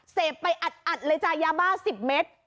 เสพไปอัดเลยจ้ะยาบ้า๑๐เมตร